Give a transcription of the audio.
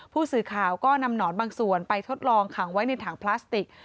ผู้สื่อข่าวก็นำหนอนบางส่วนไปทดลองขังไว้ในถังพลาสติก